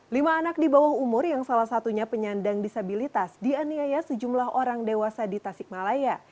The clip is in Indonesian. lima anak di bawah umur yang salah satunya penyandang disabilitas dianiaya sejumlah orang dewasa di tasikmalaya